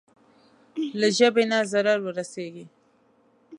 له ژبې نه ضرر ورسېږي.